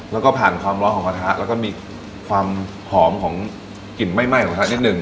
แล้วก็ผ่านความร้อนของกระทะแล้วก็มีความหอมของกลิ่นไหม้ของทะนิดนึง